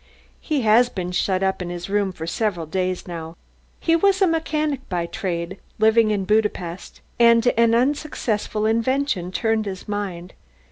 He has been shut up in his room for several days now. He was a mechanician by trade, living in Budapest, and an unsuccessful invention turned his mind."